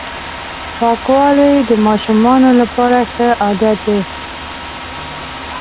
پاکوالی د ماشومانو لپاره ښه عادت دی.